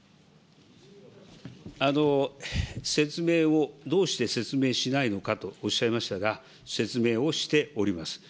説明をどうして説明しないのかとおっしゃいましたが、説明をしております。